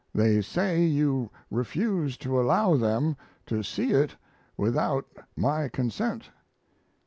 They say you refuse to allow them to see it without my consent.